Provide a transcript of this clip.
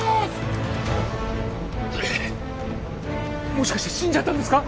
もしかして死んじゃったんですか